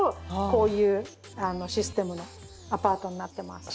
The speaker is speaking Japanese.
こういうシステムのアパートになってます。